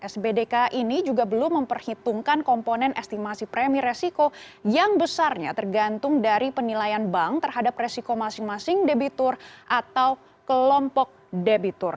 sbdk ini juga belum memperhitungkan komponen estimasi premi resiko yang besarnya tergantung dari penilaian bank terhadap resiko masing masing debitur atau kelompok debitur